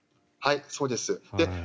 はい、そうです。